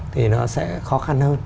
thì nó sẽ khó khăn hơn